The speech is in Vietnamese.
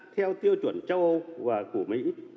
theo tiêu chuẩn châu âu và việt nam